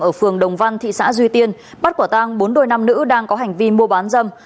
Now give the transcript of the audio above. ở phường đồng văn thị xã duy tiên bắt quả tang bốn đôi nam nữ đang có hành vi mua bán dâm